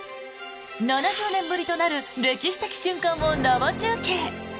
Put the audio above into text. ７０年ぶりとなる歴史的瞬間を生中継！